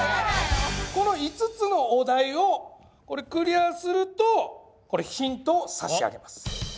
この５つのお題をこれクリアするとヒントを差し上げます。